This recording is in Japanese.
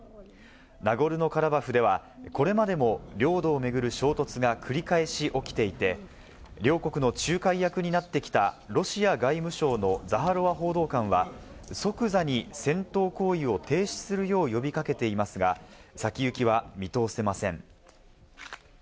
ナゴルノカラバフではこれまでも領土を巡る衝突が繰り返し起きていて、両国の仲介役になってきたロシア外務省のザハロワ報道官は、即座に戦闘行為を停止するよう呼び掛けていますが、先行きは見通せません。